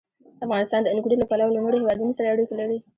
افغانستان د انګورو له پلوه له نورو هېوادونو سره اړیکې لري.